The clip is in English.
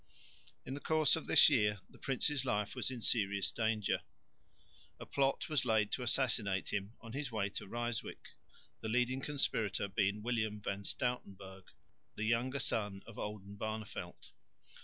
In the course of this year the prince's life was in serious danger. A plot was laid to assassinate him on his way to Ryswyck, the leading conspirator being William van Stoutenberg, the younger son of Oldenbarneveldt.